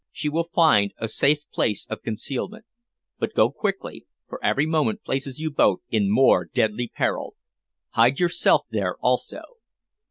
She will find a safe place of concealment. But go quickly, for every moment places you both in more deadly peril. Hide yourself there also."